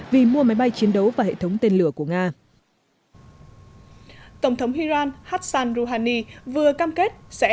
vì mua máy bay chiến đấu và hệ thống tên lửa của nga tổng thống iran hassan rouhani vừa cam kết sẽ